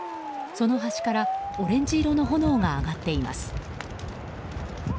その端からオレンジ色の炎が上がっています。